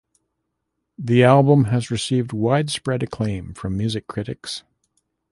The album has received widespread acclaim from music critics.